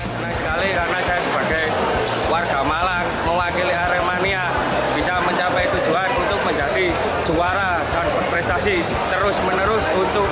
senang sekali karena saya sebagai warga malang mewakili aremania bisa mencapai tujuan untuk menjadi juara dan berprestasi terus menerus untuk